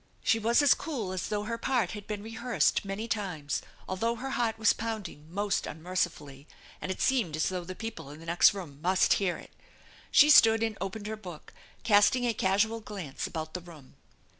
She was as cool as though her part had been rehearsed many times, although her heart was pound ing most unmercifully, and it seemed as though the people in the next room must hear it. She stood and opened her book, casting a casual glance about the room.